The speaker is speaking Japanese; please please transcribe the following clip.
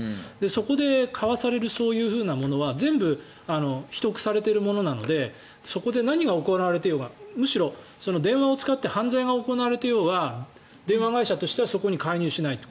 そこで交わされるそういうものは全部、秘匿されているものなのでそこで何が行われていようがむしろ電話を使って犯罪が行われていようが電話会社としてはそこに介入しないと。